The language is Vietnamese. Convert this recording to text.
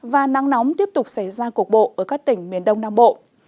và nắng nóng tiếp tục xảy ra cuộc bộ ở các tỉnh miền đông nam bộ